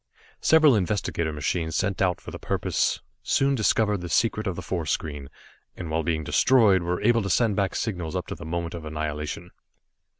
Several investigator machines sent out for the purpose soon discovered the secret of the force screen, and while being destroyed, were able to send back signals up to the moment of annihilation.